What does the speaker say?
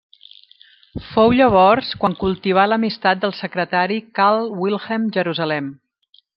Fou, llavors, quan cultivà l'amistat del secretari Karl Wilhelm Jerusalem.